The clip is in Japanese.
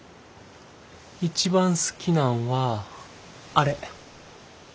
一番好きなんはあれ。